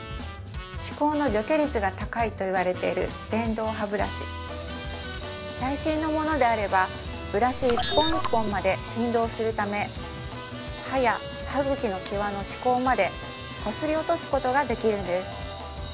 歯こうの除去率が高いといわれている電動歯ブラシ最新のものであればブラシ一本一本まで振動するため歯や歯茎の際の歯こうまでこすり落とすことができるんです